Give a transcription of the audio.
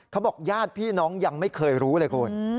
เขาบอกญาติพี่น้องยังไม่เคยรู้เลยคุณ